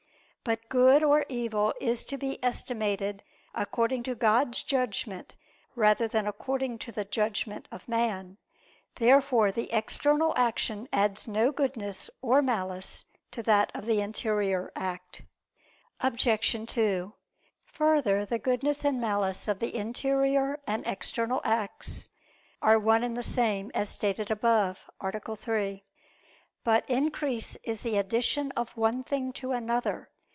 But good or evil is to be estimated according to God's judgment rather than according to the judgment of man. Therefore the external action adds no goodness or malice to that of the interior act. Obj. 2: Further, the goodness and malice of the interior and external acts are one and the same, as stated above (A. 3). But increase is the addition of one thing to another.